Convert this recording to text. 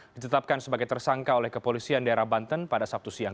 ditetapkan sebagai tersangka oleh kepolisian daerah banten pada sabtu siang